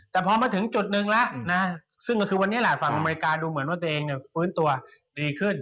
แต่พอมาถึงจุดหนึ่งแล้วนะซึ่งก็คือวันนี้แหละฝั่งอเมริกาดูเหมือนว่าตัวเองฟื้นตัวดีขึ้น